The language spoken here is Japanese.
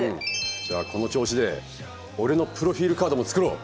じゃあこの調子で俺のプロフィールカードも作ろう！